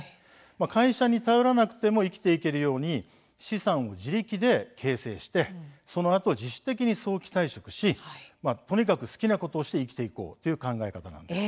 会社に頼らなくても自立できるように資産を自力で形成してそのあと自主的に早期退職しとにかく好きなことをして生きていこうという考え方です。